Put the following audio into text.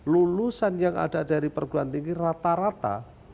lulusan yang ada dari perguruan tinggi rata rata